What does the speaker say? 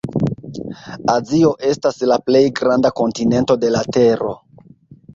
Azio estas la plej granda kontinento de la tero.